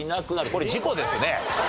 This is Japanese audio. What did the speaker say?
これ事故ですね。